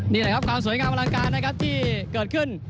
นี่แหละครับความสวยงามอลังการนะครับที่เกิดขึ้น